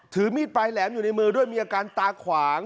ถือมีดปลายแหลมอยู่ในมือด้วยมีอาการตาขวาง